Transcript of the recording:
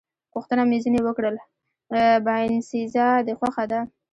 پوښتنه مې ځنې وکړل: باینسېزا دې خوښه ده؟